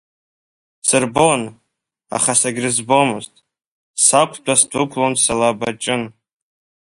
Сырбон, аха сагьрызбомызт, сақәтәа сдәықәын слаба ҷын.